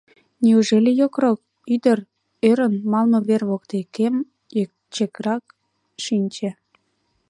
— Неужели йокрок? — ӱдыр, ӧрын, малыме вер воктекем чакрак шинче.